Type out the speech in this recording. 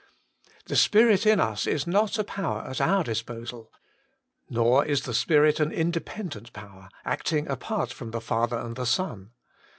The Spirit in us is not a power at our disposal. Nor is the Spirit an independent power, acting apart from the Father and the Son.